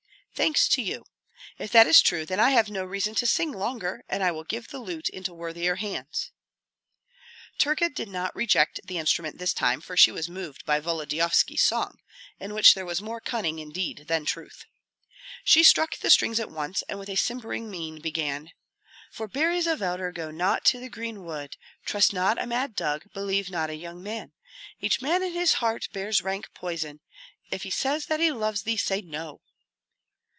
"Thanks to you. If that is true, then I have no reason to sing longer, and I will give the lute into worthier hands." Terka did not reject the instrument this time, for she was moved by Volodyovski's song, in which there was more cunning indeed than truth. She struck the strings at once, and with a simpering mien began, "For berries of elder go not to the green wood. Trust not a mad dog, believe not a young man. Each man in his heart bears rank poison; If he says that he loves thee, say No."